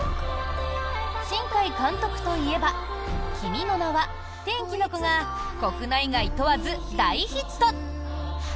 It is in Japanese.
新海監督といえば「君の名は。」、「天気の子」が国内外問わず大ヒット。